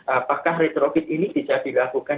apakah retrofit ini bisa dilakukan